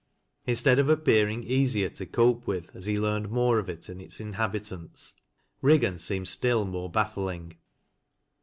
Instead of appearing easier to cope with as he learned more of it and its inhabitants, Riggan seemed still more baffling.